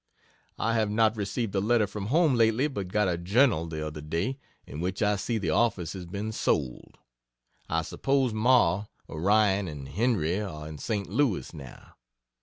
I have not received a letter from home lately, but got a "'Journal'" the other day, in which I see the office has been sold. I suppose Ma, Orion and Henry are in St. Louis now.